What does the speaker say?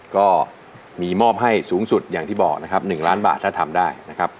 ก็มีมอบให้สูงสุดอย่างที่บอกนะครับ๑ล้านบาทถ้าทำได้นะครับ